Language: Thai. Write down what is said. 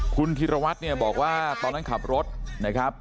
คุณธิรวัตรเนี่ยบอกว่าตอนนั้นขับรถนะครับ